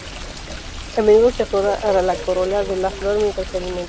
A menudo se aferra a la corola de la flor mientras se alimenta.